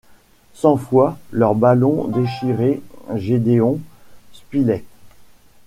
Cent fois, leur ballon déchiré gédéon spilett.